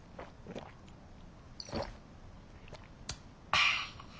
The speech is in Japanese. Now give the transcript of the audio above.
ああ！